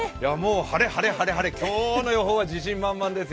晴れ、晴れ、晴れ、晴れ、今日の予報は自信満々ですよ。